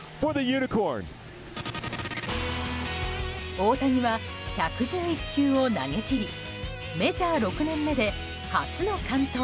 大谷は１１１球を投げ切りメジャー６年目で初の完投。